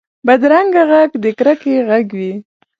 بدرنګه غږ د کرکې غږ وي